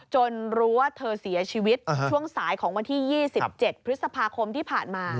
รู้ว่าเธอเสียชีวิตช่วงสายของวันที่๒๗พฤษภาคมที่ผ่านมา